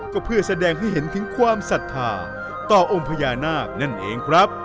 ก็เพื่อแสดงให้เห็นถึงความศรัทธาต่อองค์พญานาคนั่นเองครับ